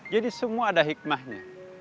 jadi semua ada hikmahnya